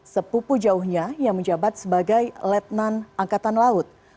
sepupu jauhnya yang menjabat sebagai letnan angkatan laut